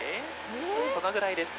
そのぐらいですね。